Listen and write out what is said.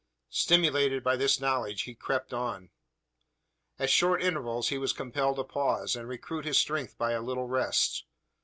Stimulated by this knowledge he crept on. At short intervals he was compelled to pause, and recruit his strength by a little rest.